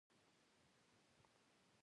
رپوټونو تایید کړه.